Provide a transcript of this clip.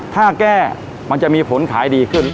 ถ้าแก้มันจะมีผลขายดีขึ้น